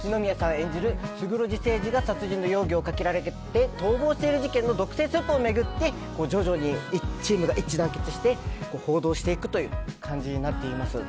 演じる勝呂寺誠司が殺人の容疑をかけられて逃亡している事件の独占スクープを巡って徐々にチームが一致団結して報道していくという感じになっています。